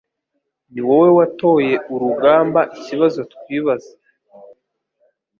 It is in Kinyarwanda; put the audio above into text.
Niwowe watoye urugamba ikibazo twibaza